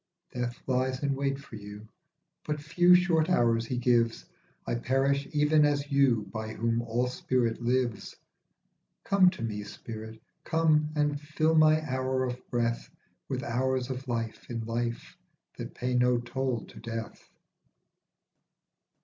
Death lies in wait for you, but few short hours he gives ; I perish even as you by whom all spirit lives. Come to me, spirit, come, and fill my hour of breath With hours of life in life that pay no toll to death.